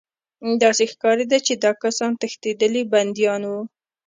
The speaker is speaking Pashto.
داسې ښکارېده چې دا کسان تښتېدلي بندیان وو